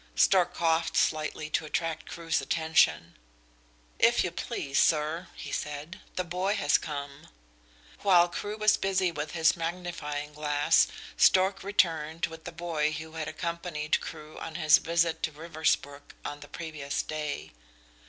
Stork coughed slightly to attract Crewe's attention. "If you please, sir," he said, "the boy has come." While Crewe was busy with his magnifying glass Stork returned with the boy who had accompanied Crewe on his visit to Riversbrook on the previous day.